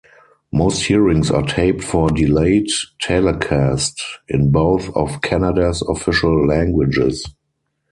Most hearings are taped for delayed telecast in both of Canada's official languages.